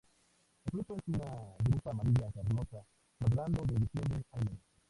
El fruto es una drupa amarilla carnosa, madurando de diciembre a enero.